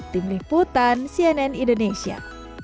tim liputan cnn indonesia